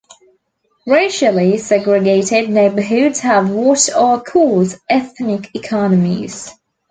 Racially segregated neighborhoods have what are called ethnic economies.